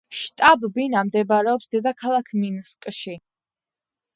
შტაბ-ბინა მდებარეობს დედაქალაქ მინსკში.